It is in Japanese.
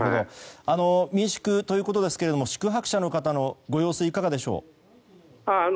民宿ということですけど宿泊者の方のご様子はいかがでしょう。